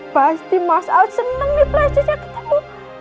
pasti mas al seneng nih flash disknya ketemu